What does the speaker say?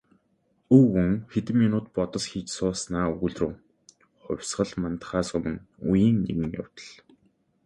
Өвгөн хэдэн минут бодос хийж сууснаа өгүүлрүүн "Хувьсгал мандахаас өмнө үеийн нэгэн явдал санагдана".